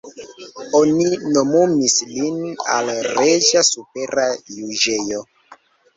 Oni nomumis lin al reĝa supera juĝejo.